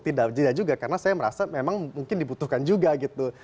tidak juga karena saya merasa memang mungkin dibutuhkan juga gitu